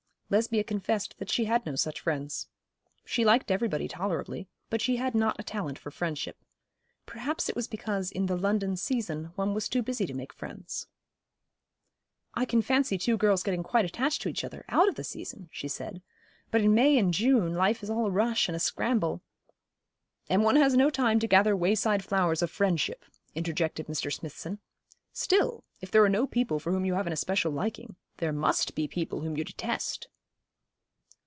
Lesbia confessed that she had no such friends. She liked everybody tolerably; but she had not a talent for friendship. Perhaps it was because in the London season one was too busy to make friends. 'I can fancy two girls getting quite attached to each other, out of the season,' she said, 'but in May and June life is all a rush and a scramble ' 'And one has no time to gather wayside flowers of friendship,' interjected Mr. Smithson. 'Still, if there are no people for whom you have an especial liking, there must be people whom you detest.'